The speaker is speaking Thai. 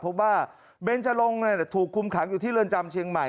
พบว่าเบนจรงถูกคุมขังอยู่ที่เรือนจำเชียงใหม่